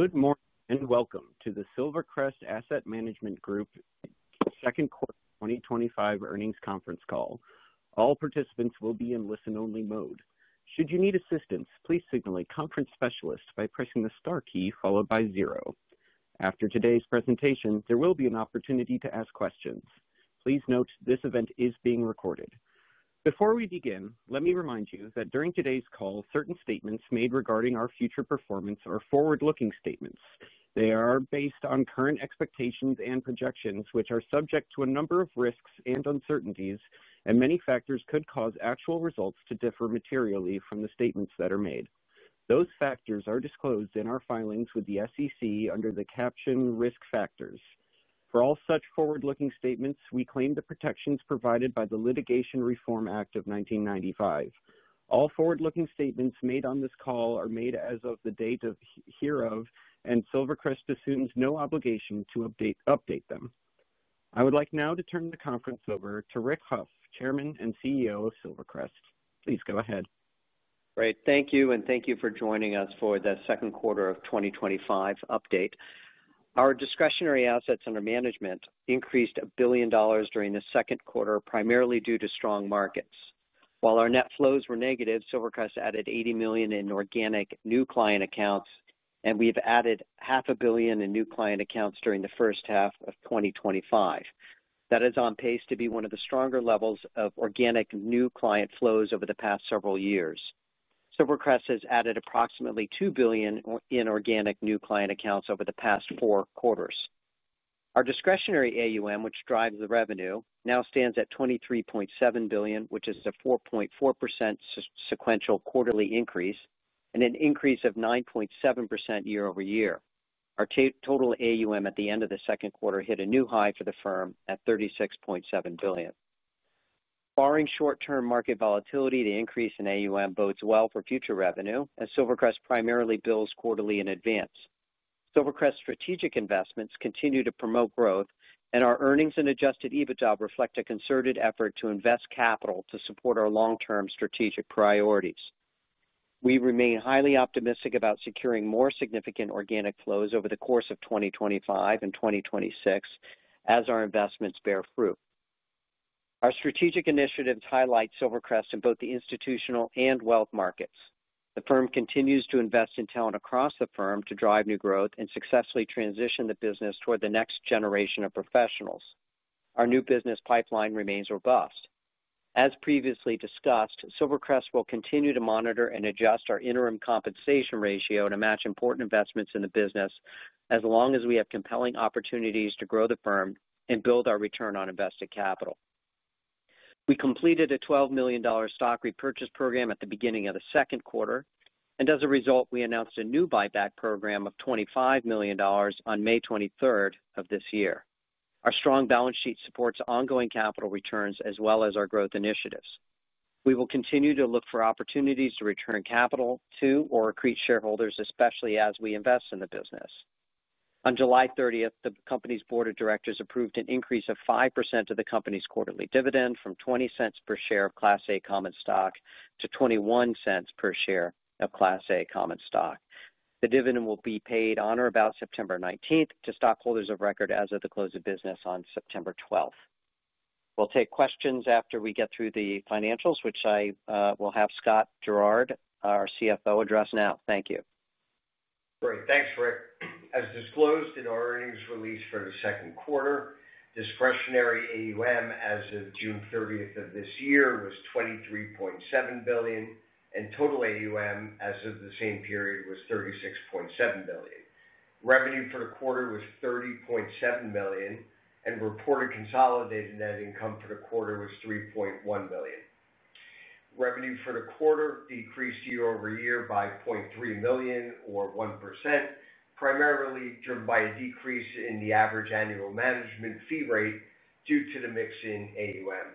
Good morning and welcome to the Silvercrest Asset Management Group's second quarter 2025 earnings conference call. All participants will be in listen-only mode. Should you need assistance, please signal a conference specialist by pressing the star key followed by zero. After today's presentation, there will be an opportunity to ask questions. Please note this event is being recorded. Before we begin, let me remind you that during today's call, certain statements made regarding our future performance are forward-looking statements. They are based on current expectations and projections, which are subject to a number of risks and uncertainties, and many factors could cause actual results to differ materially from the statements that are made. Those factors are disclosed in our filings with the SEC under the caption "Risk Factors." For all such forward-looking statements, we claim the protections provided by the Litigation Reform Act of 1995. All forward-looking statements made on this call are made as of the date hereof, and Silvercrest assumes no obligation to update them. I would like now to turn the conference over to Rick Hough, Chairman and CEO of Silvercrest. Please go ahead. Right. Thank you, and thank you for joining us for the second quarter of 2025 update. Our discretionary assets under management increased $1 billion during the second quarter, primarily due to strong markets. While our net flows were negative, Silvercrest added $80 million in organic new client accounts, and we've added half a billion in new client accounts during the first half of 2025. That is on pace to be one of the stronger levels of organic new client flows over the past several years. Silvercrest has added approximately $2 billion in organic new client accounts over the past four quarters. Our Discretionary AUM, which drives the revenue, now stands at $23.7 billion, which is a 4.4% sequential quarterly increase, and an increase of 9.7% year-over-year. Our Total AUM at the end of the second quarter hit a new high for the firm at $36.7 billion. Barring short-term market volatility, the increase in AUM bodes well for future revenue, as Silvercrest primarily bills quarterly in advance. Silvercrest's strategic investments continue to promote growth, and our earnings and Adjusted EBITDA reflect a concerted effort to invest capital to support our long-term strategic priorities. We remain highly optimistic about securing more significant organic flows over the course of 2025 and 2026 as our investments bear fruit. Our strategic initiatives highlight Silvercrest in both the institutional and wealth markets. The firm continues to invest in talent across the firm to drive new growth and successfully transition the business toward the next generation of professionals. Our new business pipeline remains robust. As previously discussed, Silvercrest will continue to monitor and adjust our interim compensation ratio to match important investments in the business, as long as we have compelling opportunities to grow the firm and build our return on invested capital. We completed a $12 million stock repurchase program at the beginning of the second quarter, and as a result, we announced a new buyback program of $25 million on May 23rd of this year. Our strong balance sheet supports ongoing capital returns, as well as our growth initiatives. We will continue to look for opportunities to return capital to or accrete shareholders, especially as we invest in the business. On July 30th, the company's board of directors approved an increase of 5% of the company's quarterly dividend from $0.20 per share of Class A common stock to $0.21 per share of Class A common stock. The dividend will be paid on or about September 19th to stockholders of record as of the close of business on September 12th. We'll take questions after we get through the financials, which I will have Scott Gerard, our CFO, address now. Thank you. Great. Thanks, Rick. As disclosed in our earnings release for the second quarter, Discretionary AUM as of June 30th of this year was $23.7 billion, and Total AUM as of the same period was $36.7 billion. Revenue for the quarter was $30.7 million, and reported consolidated net income for the quarter was $3.1 million. Revenue for the quarter decreased year-over year by $0.3 million or 1%, primarily driven by a decrease in the average annual management fee rate due to the mix in AUM.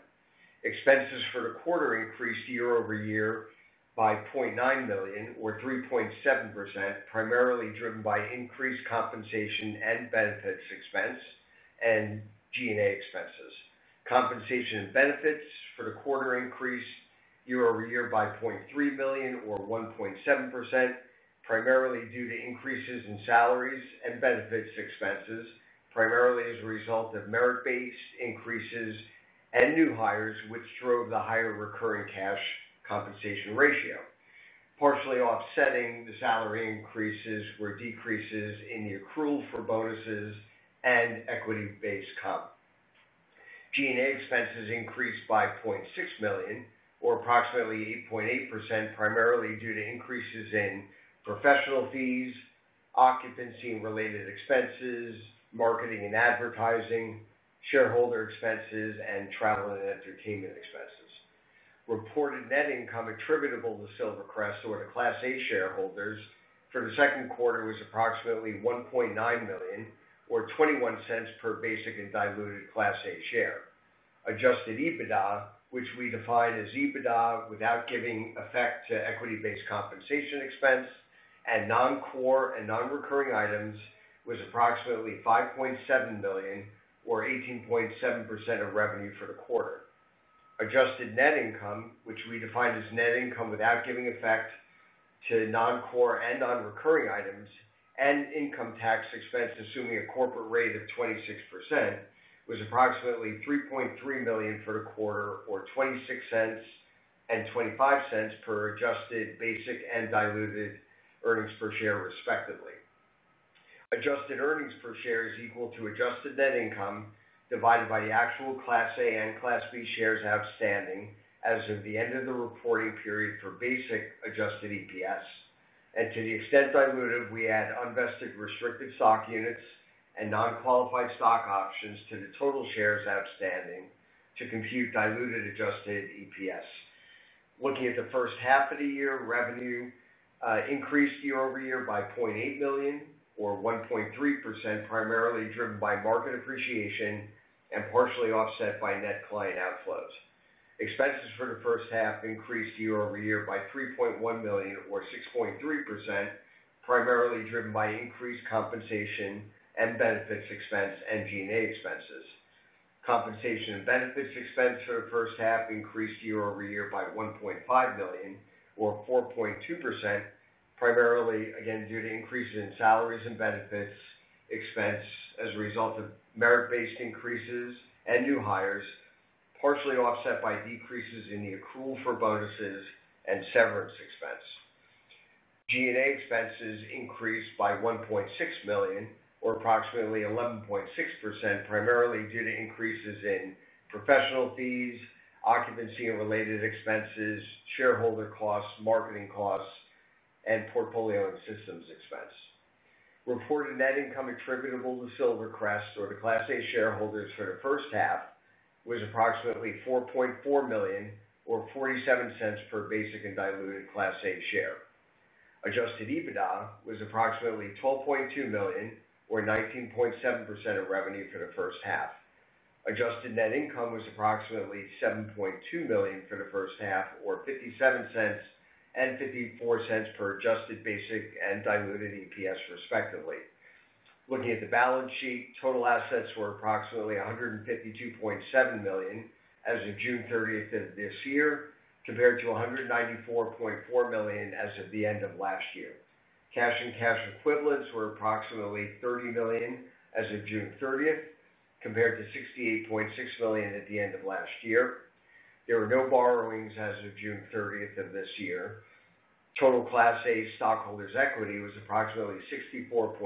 Expenses for the quarter increased year-over-year by $0.9 million or 3.7%, primarily driven by increased compensation and benefits expense and G&A expenses. Compensation and benefits for the quarter increased year-over-year by $0.3 million or 1.7%, primarily due to increases in salaries and benefits expenses, primarily as a result of merit-based increases and new hires, which drove the higher recurring cash compensation ratio. Partially offsetting the salary increases were decreases in the accrual for bonuses and equity-based comp. G&A expenses increased by $0.6 million or approximately 8.8%, primarily due to increases in professional fees, occupancy-related expenses, marketing and advertising, shareholder expenses, and travel and entertainment expenses. Reported net income attributable to Silvercrest or to Class A shareholders for the second quarter was approximately $1.9 million or $0.21 per basic and diluted Class A share. Adjusted EBITDA, which we define as EBITDA without giving effect to equity-based compensation expense and non-core and non-recurring items, was approximately $5.7 million or 18.7% of revenue for the quarter. Adjusted net income, which we define as net income without giving effect to non-core and non-recurring items and income tax expense, assuming a corporate rate of 26%, was approximately $3.3 million for the quarter or $0.26 and $0.25 per adjusted basic and diluted earnings per share, respectively. Adjusted earnings per share is equal to adjusted net income divided by the actual Class A and Class B shares outstanding as of the end of the reporting period for basic adjusted EPS. To the extent diluted, we had unvested restricted stock units and non-qualified stock options to the total shares outstanding to compute diluted adjusted EPS. Looking at the first half of the year, revenue increased year-over-year by $0.8 million or 1.3%, primarily driven by market appreciation and partially offset by net client outflows. Expenses for the first half increased year-over-year by $3.1 million or 6.3%, primarily driven by increased compensation and benefits expense and G&A expenses. Compensation and benefits expense for the first half increased year-over-year by $1.5 million or 4.2%, primarily again due to increases in salaries and benefits expense as a result of merit-based increases and new hires, partially offset by decreases in the accrual for bonuses and severance expense. G&A expenses increased by $1.6 million or approximately 11.6%, primarily due to increases in professional fees, occupancy-related expenses, shareholder costs, marketing costs, and portfolio and systems expense. Reported net income attributable to Silvercrest or to Class A shareholders for the first half was approximately $4.4 million or $0.47 per basic and diluted Class A share. Adjusted EBITDA was approximately $12.2 million or 19.7% of revenue for the first half. Adjusted net income was approximately $7.2 million for the first half or $0.57 and $0.54 per adjusted basic and diluted EPS, respectively. Looking at the balance sheet, total assets were approximately $152.7 million as of June 30th of this year, compared to $194.4 million as of the end of last year. Cash and cash equivalents were approximately $30 million as of June 30th, compared to $68.6 million at the end of last year. There were no borrowings as of June 30th of this year. Total Class A stockholders' equity was approximately $64.6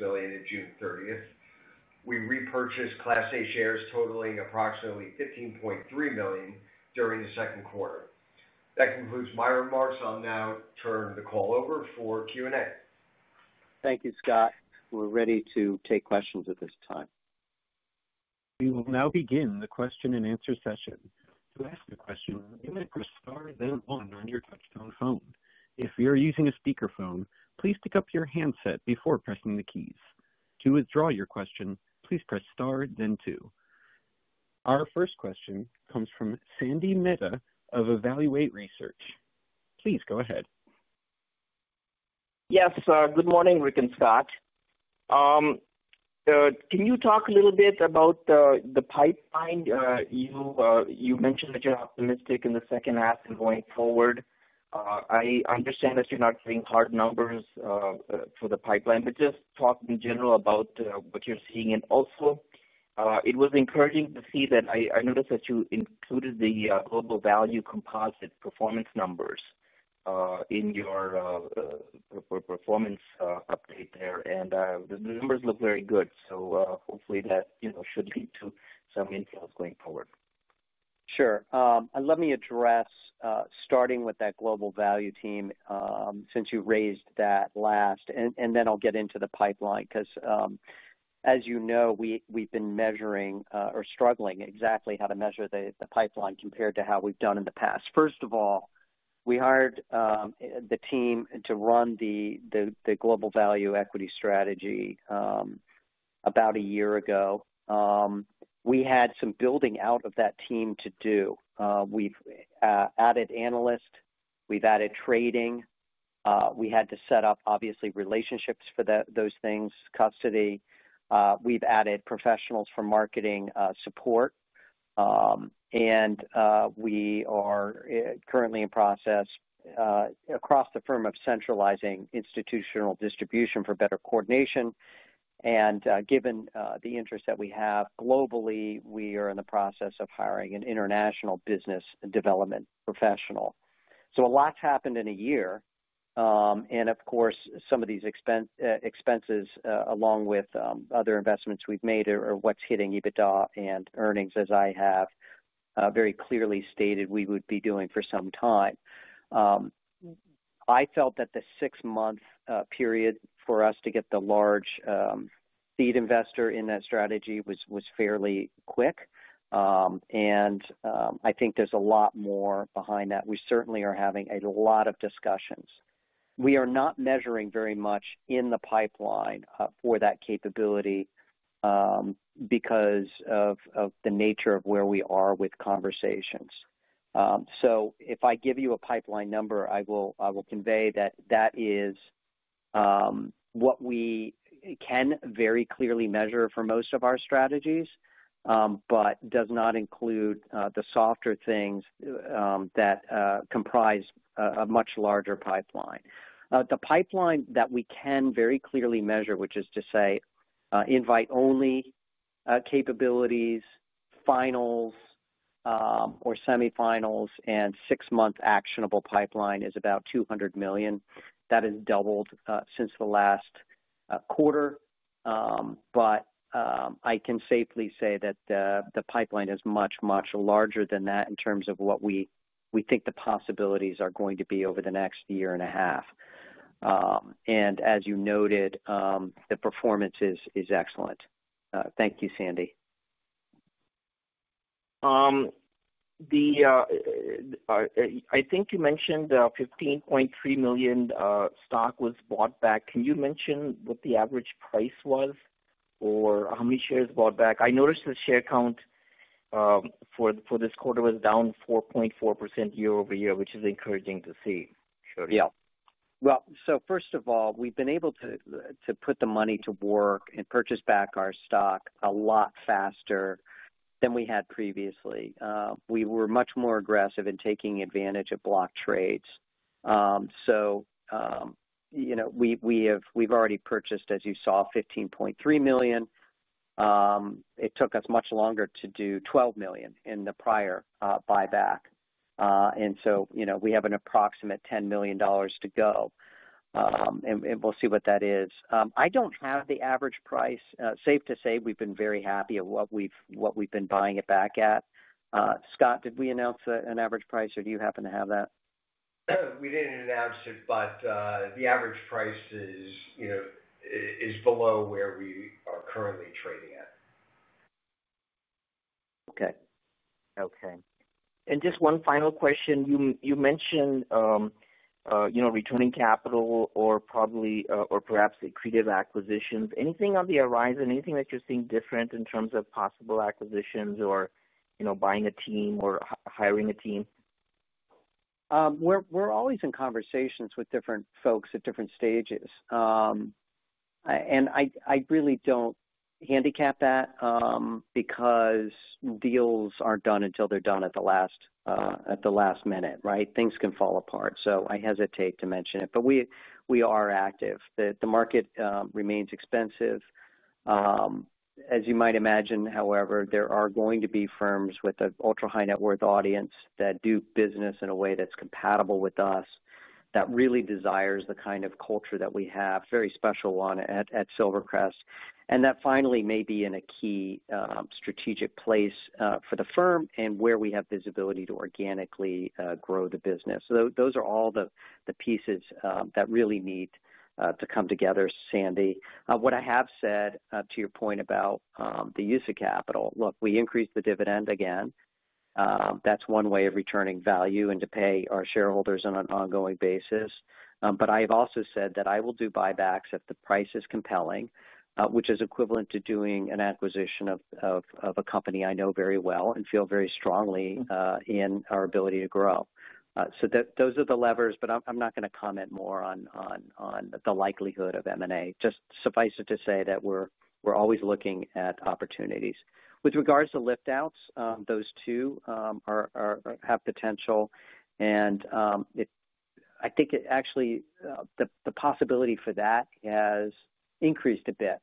million at June 30th. We repurchased Class A shares, totaling approximately $15.3 million during the second quarter. That concludes my remarks. I'll now turn the call over for Q&A. Thank you, Scott. We're ready to take questions at this time. We will now begin the question-and-answer session. To ask a question, you may press star, then one on your touch-tone phone. If you're using a speakerphone, please pick up your handset before pressing the keys. To withdraw your question, please press star, then two. Our first question comes from Sandy Mehta of Evaluate Research. Please go ahead. Yes. Good morning, Rick and Scott. Can you talk a little bit about the pipeline? You mentioned that you're optimistic in the second half and going forward. I understand that you're not doing hard numbers for the pipeline, but just talk in general about what you're seeing. It was encouraging to see that I noticed that you included the global value composite performance numbers in your performance update there. The numbers look very good. Hopefully, that should lead to some insights going forward. Sure. Let me address, starting with that global value team, since you raised that last, and then I'll get into the pipeline because, as you know, we've been measuring or struggling exactly how to measure the pipeline compared to how we've done in the past. First of all, we hired the team to run the Global Value Equity Strategy about a year ago. We had some building out of that team to do. We've added analysts. We've added trading. We had to set up, obviously, relationships for those things, custody. We've added professionals for marketing support. We are currently in process across the firm of centralizing institutional distribution for better coordination. Given the interest that we have globally, we are in the process of hiring an international business development professional. A lot's happened in a year. Of course, some of these expenses, along with other investments we've made, are what's hitting EBITDA and earnings, as I have very clearly stated we would be doing for some time. I felt that the six-month period for us to get the large seed investor in that strategy was fairly quick. I think there's a lot more behind that. We certainly are having a lot of discussions. We are not measuring very much in the pipeline for that capability because of the nature of where we are with conversations. If I give you a pipeline number, I will convey that that is what we can very clearly measure for most of our strategies, but does not include the softer things that comprise a much larger pipeline. The pipeline that we can very clearly measure, which is to say invite-only capabilities, finals, or semifinals, and six-month actionable pipeline is about $200 million. That has doubled since the last quarter. I can safely say that the pipeline is much, much larger than that in terms of what we think the possibilities are going to be over the next year and a half. As you noted, the performance is excellent. Thank you, Sandy. I think you mentioned $15.3 million stock was bought back. Can you mention what the average price was or how many shares bought back? I noticed the share count for this quarter was down 4.4% year-over-year, which is encouraging to see. Yeah. First of all, we've been able to put the money to work and purchase back our stock a lot faster than we had previously. We were much more aggressive in taking advantage of block trades. You know we've already purchased, as you saw, $15.3 million. It took us much longer to do $12 million in the prior buyback. You know we have an approximate $10 million to go. We'll see what that is. I don't have the average price. Safe to say we've been very happy at what we've been buying it back at. Scott, did we announce an average price, or do you happen to have that? No, we didn't announce it, but the average price is below where we are currently trading at. Okay. Okay. Just one final question. You mentioned returning capital or probably or perhaps accretive acquisitions. Anything on the horizon? Anything that you're seeing different in terms of possible acquisitions or buying a team or hiring a team? We're always in conversations with different folks at different stages. I really don't handicap that because deals aren't done until they're done at the last minute, right? Things can fall apart. I hesitate to mention it. We are active. The market remains expensive. As you might imagine, however, there are going to be firms with an ultra-high net worth audience that do business in a way that's compatible with us, that really desires the kind of culture that we have, a very special one at Silvercrest, and that finally may be in a key strategic place for the firm and where we have visibility to organically grow the business. Those are all the pieces that really need to come together, Sandy. What I have said to your point about the use of capital, look, we increased the dividend again. That's one way of returning value and to pay our shareholders on an ongoing basis. I have also said that I will do buybacks if the price is compelling, which is equivalent to doing an acquisition of a company I know very well and feel very strongly in our ability to grow. Those are the levers, but I'm not going to comment more on the likelihood of M&A. Suffice it to say that we're always looking at opportunities. With regards to lift-outs, those too have potential. I think actually, the possibility for that has increased a bit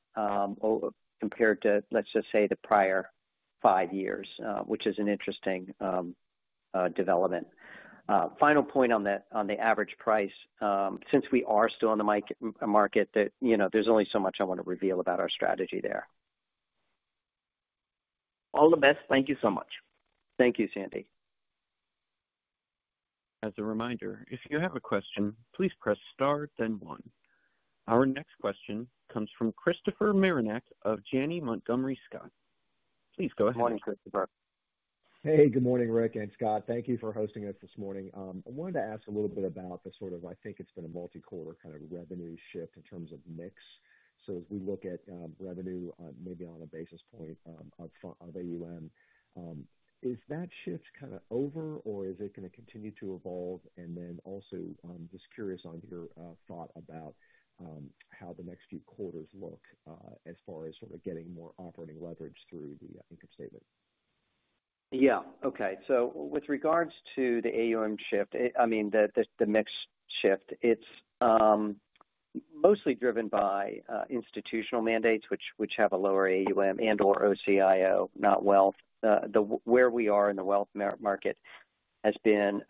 compared to, let's just say, the prior five years, which is an interesting development. Final point on the average price, since we are still in the market, there's only so much I want to reveal about our strategy there. All the best. Thank you so much. Thank you, Sandy. As a reminder, if you have a question, please press star, then one. Our next question comes from Christopher Marinac of Janney Montgomery Scott. Please go ahead. Morning, Christopher. Hey, good morning, Rick and Scott. Thank you for hosting us this morning. I wanted to ask a little bit about the sort of, I think it's been a multi-quarter kind of revenue shift in terms of AUM. As we look at revenue maybe on a basis point of AUM, is that shift kind of over or is it going to continue to evolve? Also, just curious on your thought about how the next few quarters look as far as sort of getting more operating leverage through the income statement. Yeah. Okay. So with regards to the AUM shift, I mean, the mix shift, it's mostly driven by institutional mandates, which have a lower AUM and/or OCIO, not wealth. Where we are in the wealth market has been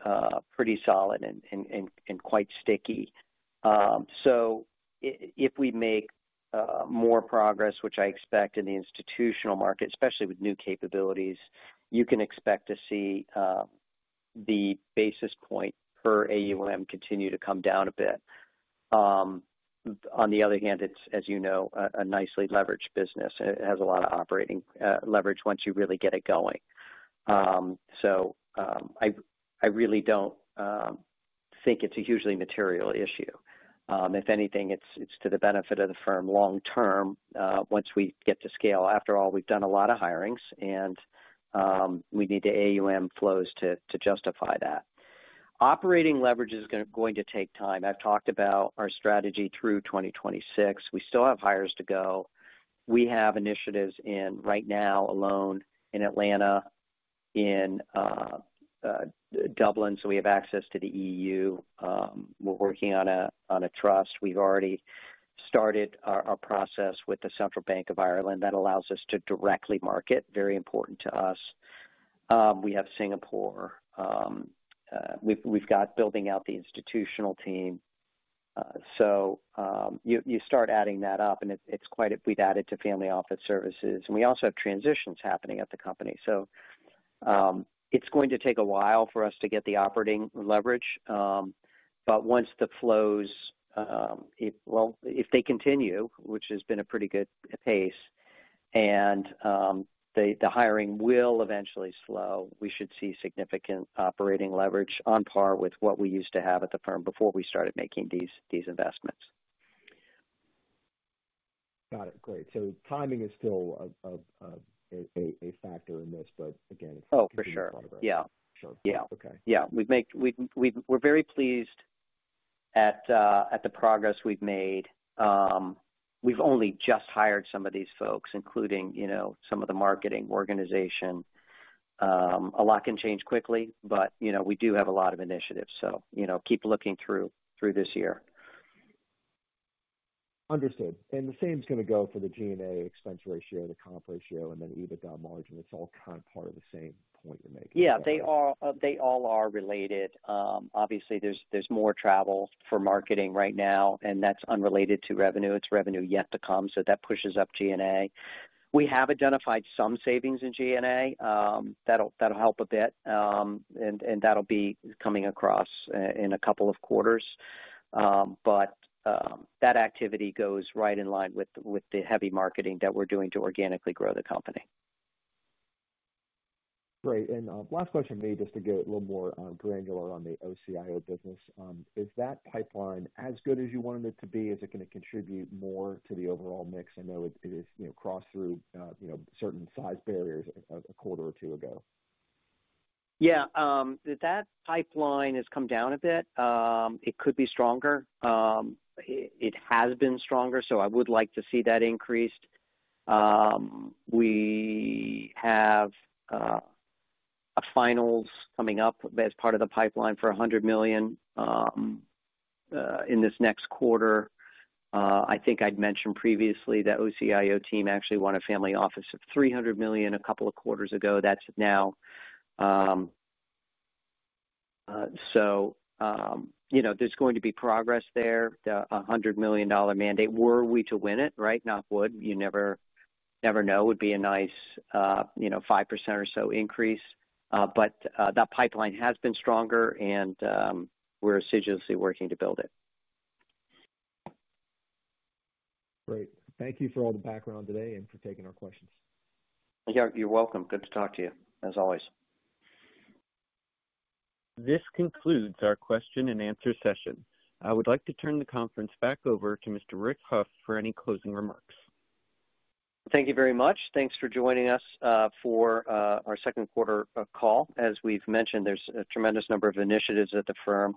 pretty solid and quite sticky. If we make more progress, which I expect in the institutional market, especially with new capabilities, you can expect to see the basis point per AUM continue to come down a bit. On the other hand, it's, as you know, a nicely leveraged business. It has a lot of operating leverage once you really get it going. I really don't think it's a hugely material issue. If anything, it's to the benefit of the firm long-term once we get to scale. After all, we've done a lot of hirings, and we need the AUM flows to justify that. Operating leverage is going to take time. I've talked about our strategy through 2026. We still have hires to go. We have initiatives in right now alone in Atlanta, in Dublin. We have access to the E.U. We're working on a trust. We've already started our process with the Central Bank of Ireland. That allows us to directly market, very important to us. We have Singapore. We've got building out the institutional team. You start adding that up, and we've added to family office services. We also have transitions happening at the company. It's going to take a while for us to get the operating leverage. Once the flows, if they continue, which has been a pretty good pace, and the hiring will eventually slow, we should see significant operating leverage on par with what we used to have at the firm before we started making these investments. Got it. Great. Timing is still a factor in this, but again, it's not part of it. Oh, for sure. Yeah. Yeah. Okay. Yeah. We're very pleased at the progress we've made. We've only just hired some of these folks, including some of the marketing organization. A lot can change quickly, but we do have a lot of initiatives. Keep looking through this year. Understood. The same is going to go for the G&A expense ratio, the comp ratio, and then EBITDA margin. It's all kind of part of the same point you're making. Yeah. They all are related. Obviously, there's more travel for marketing right now, and that's unrelated to revenue. It's revenue yet to come. That pushes up G&A. We have identified some savings in G&A that'll help a bit. That'll be coming across in a couple of quarters. That activity goes right in line with the heavy marketing that we're doing to organically grow the company. Great. Last question, maybe just to get a little more granular on the OCIO business. Is that pipeline as good as you wanted it to be? Is it going to contribute more to the overall NIX? I know it has crossed through certain size barriers a quarter or two ago. Yeah, that pipeline has come down a bit. It could be stronger. It has been stronger. I would like to see that increased. We have finals coming up as part of the pipeline for $100 million in this next quarter. I think I'd mentioned previously that the OCIO team actually won a family office of $300 million a couple of quarters ago. That's now, so you know there's going to be progress there. The $100 million mandate, were we to win it, right? Knock wood. You never know. It would be a nice 5% or so increase. That pipeline has been stronger, and we're assiduously working to build it. Great. Thank you for all the background today and for taking our questions. Thank you. You're welcome. Good to talk to you, as always. This concludes our question-and-answer-session. I would like to turn the conference back over to Mr. Rick for any closing remarks. Thank you very much. Thanks for joining us for our second quarter call. As we've mentioned, there's a tremendous number of initiatives at the firm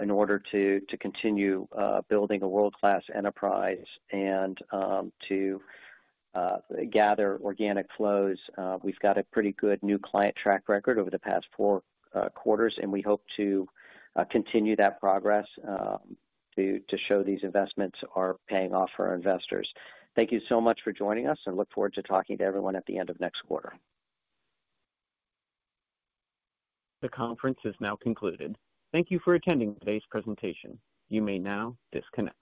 in order to continue building a world-class enterprise and to gather organic flows. We've got a pretty good new client track record over the past four quarters, and we hope to continue that progress to show these investments are paying off for our investors. Thank you so much for joining us, and look forward to talking to everyone at the end of next quarter. The conference is now concluded. Thank you for attending today's presentation. You may now disconnect.